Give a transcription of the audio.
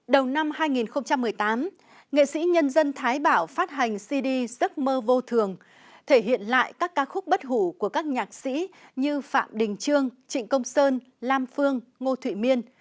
đầu năm hai nghìn một mươi tám nghệ sĩ nhân dân thái bảo phát hành cd giấc mơ vô thường thể hiện lại các ca khúc bất hủ của các nhạc sĩ như phạm đình trương trịnh công sơn lam phương ngô thụy miên